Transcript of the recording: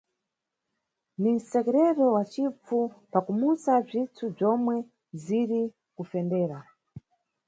Ni msekerero wa cipfu pa kumusa mpsisu zomwe ziri kufendera.